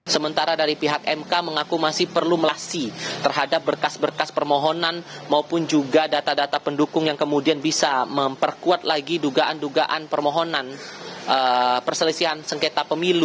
sementara dari pihak mk mengaku masih perlu melasi terhadap berkas berkas permohonan maupun juga data data pendukung yang kemudian bisa memperkuat lagi dugaan dugaan permohonan perselisihan sengketa pemilu